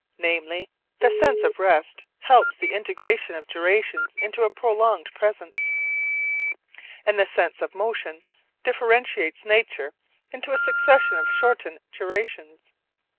Namely, the sense of rest helps the integration of durations into a prolonged present, and the sense of motion differentiates nature into a succession of shortened durations.